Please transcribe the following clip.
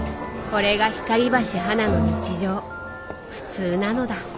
これが光橋花の日常普通なのだ。